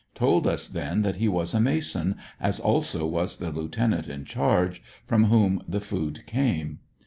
Told us then that he was a Mason, as also was the lieutenant in charge, from whom the food came.